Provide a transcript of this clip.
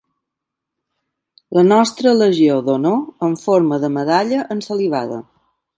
La nostra legió d'honor en forma de medalla ensalivada.